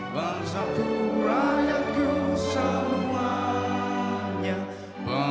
tanahku negeriku yang ku cinta